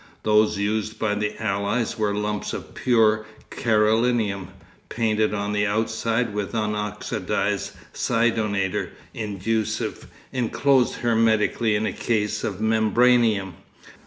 Those used by the Allies were lumps of pure Carolinum, painted on the outside with unoxidised cydonator inducive enclosed hermetically in a case of membranium.